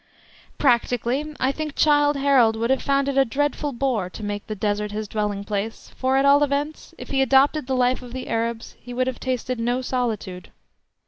Practically, I think, Childe Harold would have found it a dreadful bore to make "the Desert his dwelling place," for at all events, if he adopted the life of the Arabs he would have tasted no solitude.